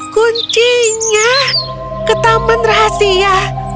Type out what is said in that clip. kuncinya ke taman rahasia